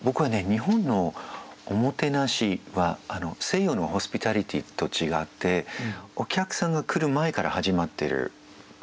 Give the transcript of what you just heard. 日本のおもてなしは西洋のホスピタリティーと違ってお客さんが来る前から始まってることを思うんですね。